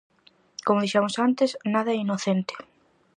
Como dixemos antes, nada é inocente.